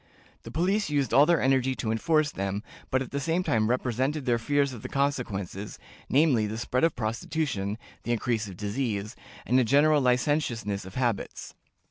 The police used all their energy to enforce them, but at the same time represented their fears of the consequences, namely, the spread of prostitution, the increase of disease, and a general licentiousness of habits.